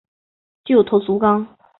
旧头足纲